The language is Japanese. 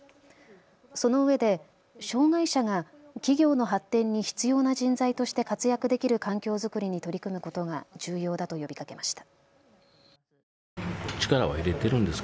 そのうえで障害者が企業の発展に必要な人材として活躍できる環境作りに取り組むことが重要だと呼びかけました。